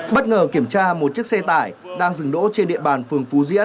bất ngờ kiểm tra một chiếc xe tải đang dừng đỗ trên địa bàn phường phú diễn